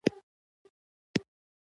پورتنۍ کیسه د هوسۍ او ملخ تر منځ ده.